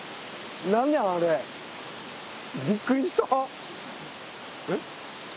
びっくりした。